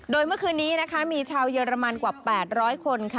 โดยเมื่อคืนนี้นะคะมีชาวเยอรมันกว่า๘๐๐คนค่ะ